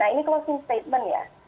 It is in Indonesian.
nah ini closing statement ya